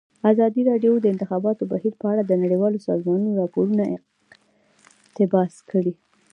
ازادي راډیو د د انتخاباتو بهیر په اړه د نړیوالو سازمانونو راپورونه اقتباس کړي.